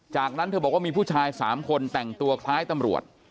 จากนั้นเธอบอกว่ามีผู้ชาย๓คนแต่งตัวคล้ายตำรวจ